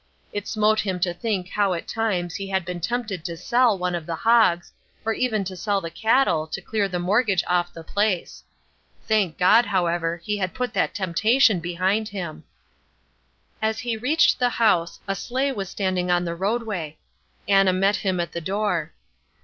It smote him to think how at times he had been tempted to sell one of the hogs, or even to sell the cattle to clear the mortgage off the place. Thank God, however, he had put that temptation behind him. As he reached the house a sleigh was standing on the roadway. Anna met him at the door.